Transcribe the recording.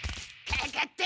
かかった。